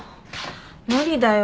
無理だよ。